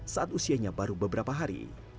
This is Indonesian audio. saat usianya baru beberapa hari